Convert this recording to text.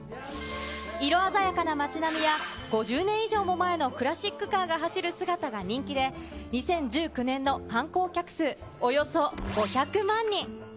色鮮やかな街並みや５０年以上も前のクラシックカーが走る姿が人気で、２０１９年の観光客数およそ５００万人。